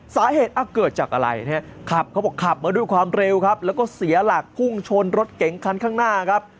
สาเหตุเกิดจากอะไรเนี่ยขับเขาบอกขับมาด้วยความเร็วครับแล้วก็เสียหลักพุ่งชนรถเก๋งคันข้างหน้าครับ